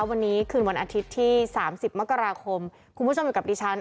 วันนี้คืนวันอาทิตย์ที่๓๐มกราคมคุณผู้ชมอยู่กับดิฉัน